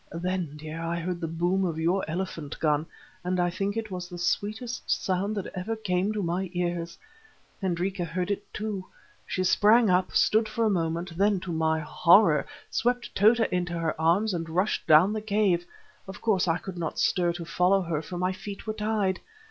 Then, dear, I heard the boom of your elephant gun, and I think it was the sweetest sound that ever came to my ears. Hendrika heard it too. She sprang up, stood for a moment, then, to my horror, swept Tota into her arms and rushed down the cave. Of course I could not stir to follow her, for my feet were tied.